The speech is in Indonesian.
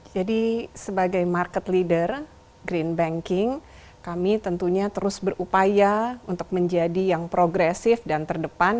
jadi sebagai market leader green banking kami tentunya terus berupaya untuk menjadi yang progresif dan terdepan